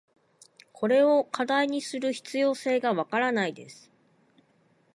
これを課題にする必要性が分からないです。